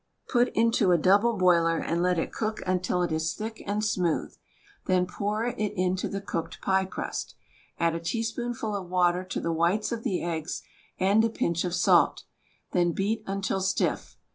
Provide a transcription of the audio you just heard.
Put into a double boiler and let it cook until it is thick and smooth. Then pour it into the cooked pie crust. Add a teaspoonful of water to the whites of the eggs, and a pinch of salt. Then beat until stiff.